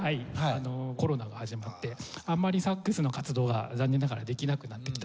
あのコロナが始まってあんまりサックスの活動が残念ながらできなくなってきた。